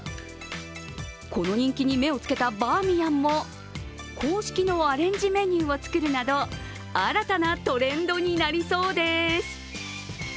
この人気に目をつけたバーミヤンも公式のアレンジメニューを作るなど新たなトレンドになりそうです。